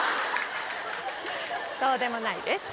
そうでもないです。